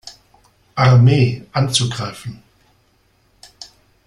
Armee anzugreifen.